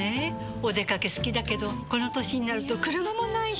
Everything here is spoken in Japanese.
お出かけ好きだけどこの歳になると車もないし。